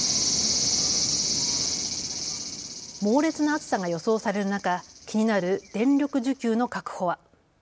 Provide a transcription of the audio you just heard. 猛烈な暑さが予想される中、気になる電力需給の確保は。